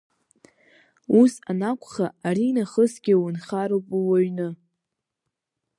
Ус анакәха, аринахысгьы унхароуп ууаҩны.